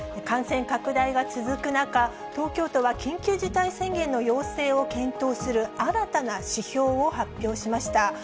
感染拡大が続く中、東京都は緊急事態宣言の要請を検討する新たな指標を発表しました。